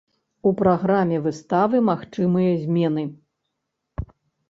У праграме выставы магчымыя змены.